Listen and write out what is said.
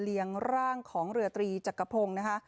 ร่างของเรือตรีจักรพงศ์นะคะ